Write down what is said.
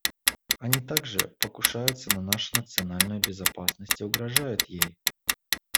Они также покушаются на нашу национальную безопасность и угрожают ей.